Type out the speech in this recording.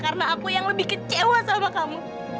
karena aku yang lebih kecewa sama kamu